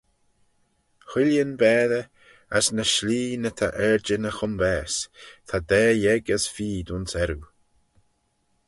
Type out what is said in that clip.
Whilleen baatey, as ny shliee na ta ardjyn y chumbaase, ta daa-yeig as feed ayns earroo.